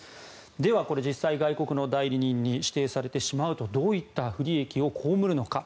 では、実際に外国の代理人に指定されてしまうとどういった不利益を被るのか。